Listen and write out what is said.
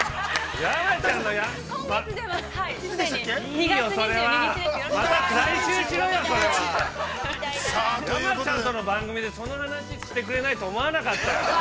◆山ちゃんの番組でその話、してくれないと思わなかった。